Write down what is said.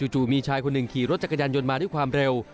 มีชายคนหนึ่งขี่รถจักรยานยนต์มาด้วยความเร็ว